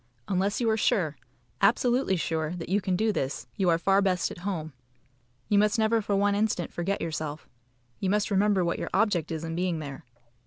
Unless you are sure absolutely sure that you can do this, you are far best at home. You must never for one instant forget yourself. You must remember what your object is in being there.